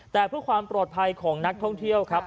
แต่เพื่อความปลอดภัยของนักท่องเที่ยวครับ